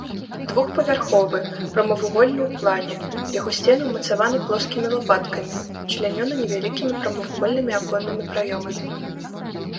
Двухпавярховы, прамавугольны ў плане, яго сцены ўмацаваны плоскімі лапаткамі, члянёны невялікімі прамавугольнымі аконнымі праёмамі.